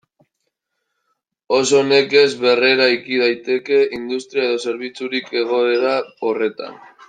Oso nekez berreraiki daiteke industria edo zerbitzurik egoera horretan.